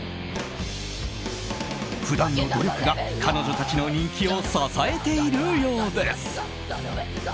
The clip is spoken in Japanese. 普段の努力が彼女たちの人気を支えているようです。